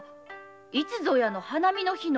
いつぞやの花見の日の。